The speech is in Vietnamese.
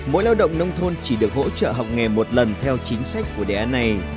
mỗi lao động nông thôn chỉ được hỗ trợ học nghề một lần theo chính sách của đề án này